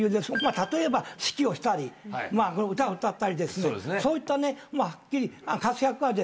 例えば指揮をしたり歌を歌ったりですねそういった活躍がです